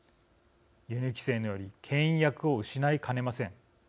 輸入規制によりけん引役を失いかねません。